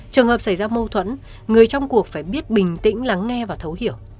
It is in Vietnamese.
trường hợp xảy ra mâu thuẫn người trong cuộc phải biết bình tĩnh lắng nghe và thấu hiểu